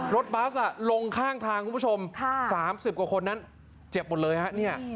รถบัสอ่ะลงข้างทางคุณผู้ชมสามสิบกว่าคนนั้นเจ็บหมดเลยฮะเนี้ย